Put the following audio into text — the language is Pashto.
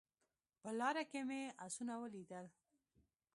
په لاره کې مې اسونه ولیدل